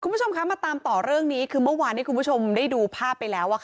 คุณผู้ชมคะมาตามต่อเรื่องนี้คือเมื่อวานที่คุณผู้ชมได้ดูภาพไปแล้ว